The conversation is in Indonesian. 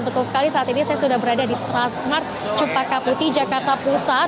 betul sekali saat ini saya sudah berada di transmart cempaka putih jakarta pusat